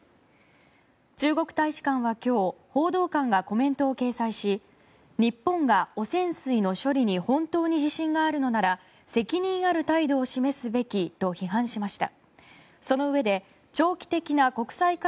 中国大使館は今日報道官がコメントを掲載し日本が汚染水の処理に本当に自信があるのなら責任ある態度を示すべきと批判しました。